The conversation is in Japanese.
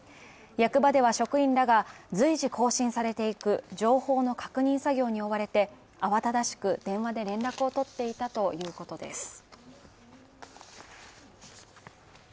役場では職員らが随時更新されていく情報の確認作業に追われてあわただしく電話で連絡を取っていたということです。